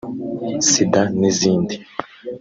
Sida n’izindi